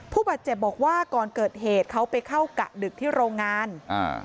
ผู้บาดเจ็บบอกว่าก่อนเกิดเหตุเขาไปเข้ากะดึกที่โรงงานอ่า